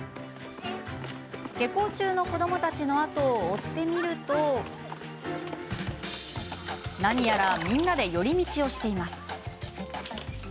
下校中の子どもたちのあとを追ってみると何やらみんなで寄り道をしています。